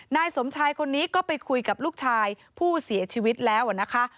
นายสมชายคนนี้ก็ไปคุยกับลูกชายผู้เสียชีวิตแล้วนะคะ